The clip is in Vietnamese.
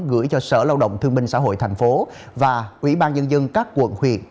gửi cho sở lao động thương minh xã hội tp hcm và ủy ban nhân dân các quận huyện